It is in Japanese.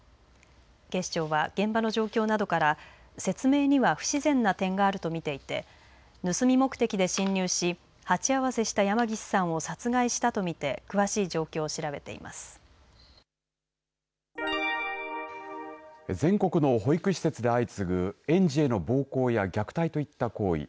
警視庁は現場の状況などから説明には不自然な点があると見ていて盗み目的で侵入し鉢合わせした山岸さんを殺害したと見て全国の保育施設で相次ぐ園児への暴行や虐待といった行為。